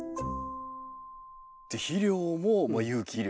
肥料も有機肥料。